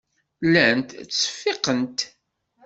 Llant ttseffiqent.